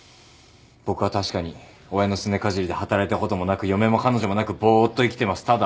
僕は確かに親のすねかじりで働いたこともなく嫁も彼女もなくぼーっと生きてます。